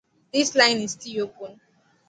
The line is still open.